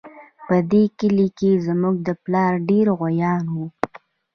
په دې کلي کې زموږ د پلار ډېر غويان وو